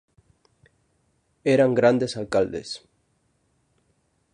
Eran grandes alcaldes.